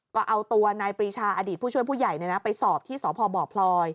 ก็เอาตัวนายปรีชาอดีตผู้ช่วยผู้ใหญ่ไปสอบที่สพบพลอย